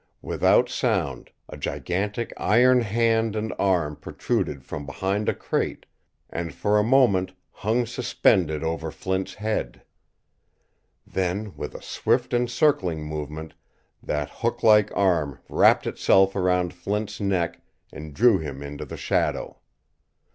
Without sound a gigantic iron hand and arm protruded from behind a crate and, for a moment, hung suspended over Flint's head. Then, with a swift encircling movement, that hooklike arm wrapped itself around Flint's neck and drew him into the shadow.